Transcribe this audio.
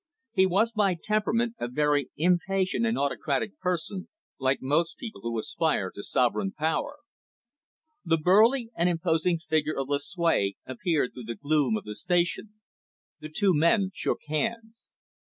He was, by temperament, a very impatient and autocratic person, like most people who aspire to sovereign power. The burly and imposing figure of Lucue appeared through the gloom of the station. The two men shook hands.